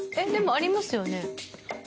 でもありますよね？